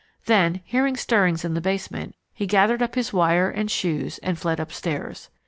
Then, hearing stirrings in the basement, he gathered up his wire and shoes and fled upstairs.